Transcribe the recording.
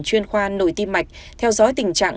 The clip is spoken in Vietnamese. chuyên khoa nổi tim mạch theo dõi tình trạng